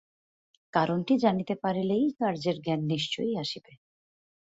কারণটি জানিতে পারিলেই কার্যের জ্ঞান নিশ্চয়ই আসিবে।